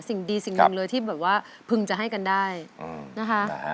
สิ่งดีสิ่งหนึ่งเลยที่แบบว่าพึงจะให้กันได้นะคะ